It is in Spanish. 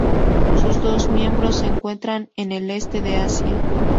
Sus dos miembros se encuentran en el este de Asia.